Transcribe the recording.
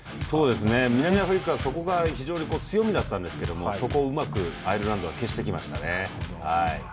南アフリカはそこが強みでしたがそこをうまくアイルランドが消してきましたね。